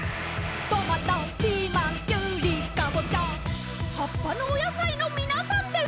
「トマトピーマンキュウリカボチャ」「はっぱのおやさいのみなさんです」